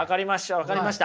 分かりました。